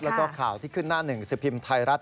แล้วก็ข่าวที่ขึ้นหน้าหนึ่งสิบพิมพ์ไทยรัฐ